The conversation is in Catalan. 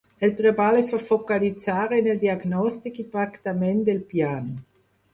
El treball es va focalitzar en el diagnòstic i tractament del pian.